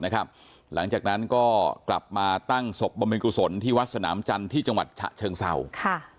แล้วหลังจากนั้นก็กลับมาตั้่งศพบัมเมนกุศลที่วัดสนามชันที่จังหวัดเจ้าครับ